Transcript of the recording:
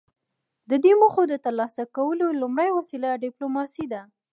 د دې موخو د ترلاسه کولو لومړۍ وسیله ډیپلوماسي ده